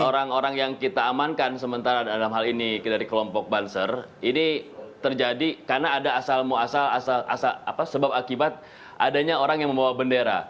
orang orang yang kita amankan sementara dalam hal ini dari kelompok banser ini terjadi karena ada sebab akibat adanya orang yang membawa bendera